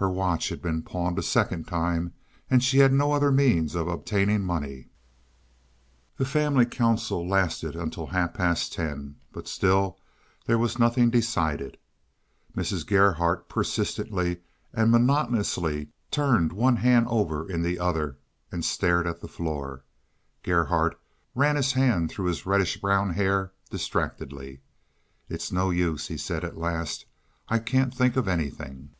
Her watch had been pawned a second time, and she had no other means of obtaining money. The family council lasted until half past ten, but still there was nothing decided. Mrs. Gerhardt persistently and monotonously turned one hand over in the other and stared at the floor. Gerhardt ran his hand through his reddish brown hair distractedly. "It's no use," he said at last. "I can't think of anything."